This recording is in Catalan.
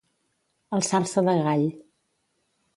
Alçar-se de gall.